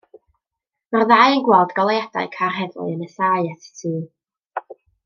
Mae'r ddau yn gweld goleuadau car heddlu yn nesáu at y tŷ.